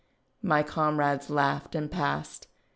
My comrades laughed and passed.